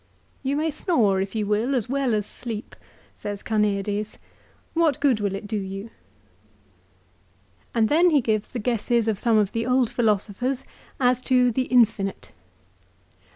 2 "You may snore if you will as well as sleep," says Carneades ;" what good will it do you ?" 3 And then he gives the guesses of some of the old philosophers as to the infinite.